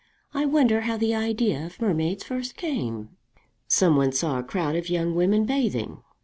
I wonder how the idea of mermaids first came?" "Some one saw a crowd of young women bathing."